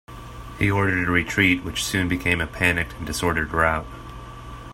He ordered a retreat which soon became a panicked and disordered rout.